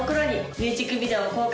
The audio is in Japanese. ミュージックビデオ公開